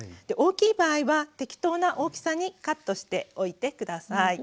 大きい場合は適当な大きさにカットしておいて下さい。